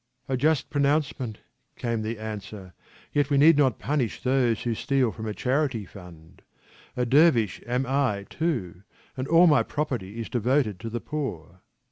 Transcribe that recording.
" A just pronouncement," came the answer, "yet we need not punish those who steal from a chanty fund ; a dervish am I, too, and all my property is devoted to the poor."